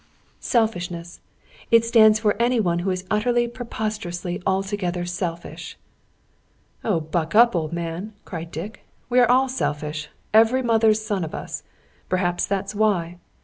"Selfishness! It stands for any one who is utterly, preposterously, altogether, selfish." "Oh, buck up old man!" cried Dick. "We are all selfish every mother's son of us! Perhaps that's why!